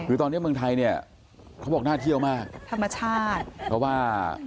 คือตอนนี้เมืองไทยเนี่ยเขาบอกน่าเที่ยวมากธรรมชาติเพราะว่า